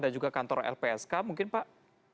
juga kantor lpsk mungkin pak